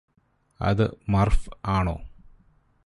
അത് മര്ഫ് ആണോ